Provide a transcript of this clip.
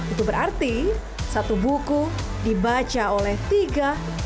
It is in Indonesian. itu berarti satu buku dibaca oleh tiga